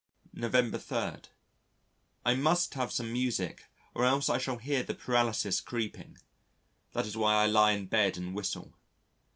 November 3. I must have some music or I shall hear the paralysis creeping. That is why I lie in bed and whistle.